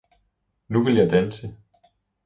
'Nu vil jeg danse!